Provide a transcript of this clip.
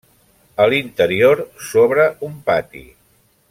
A l'interior s'obre un pati.